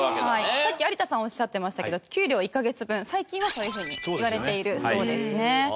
さっき有田さんおっしゃってましたけど給料１カ月分最近はそういうふうにいわれているそうですね。